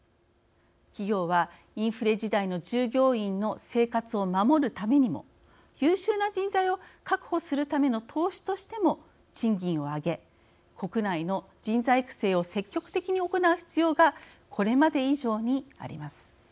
企業はインフレ時代の従業員の生活を守るためにも優秀な人材を確保するための投資としても、賃金を上げ国内の人材育成を積極的に行う必要がこれまで以上にあります。